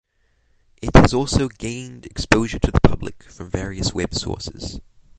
It has also gained exposure to the public from various web sources.